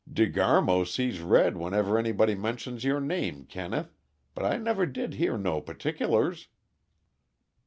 "De Garmo sees red whenever anybody mentions your name, Kenneth but I never did hear no particulars."